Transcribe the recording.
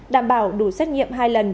đảm bảo đủ xét nghiệm hai lần